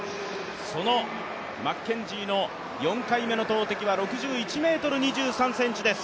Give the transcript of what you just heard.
そのマッケンジーの４回目の投てきは６１ｍ２３ｃｍです。